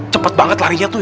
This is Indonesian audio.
cepet banget larinya tuh